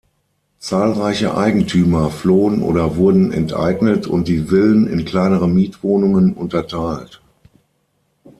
Zahlreiche Eigentümer flohen oder wurden enteignet und die Villen in kleinere Mietwohnungen unterteilt.